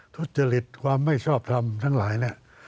ทุจริตความไม่ชอบทำทั้งหลายแหละ